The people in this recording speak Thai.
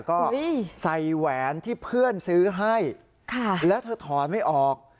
ก็ใส่แหวนที่เพื่อนซื้อให้แล้วเธอถอนไม่ออก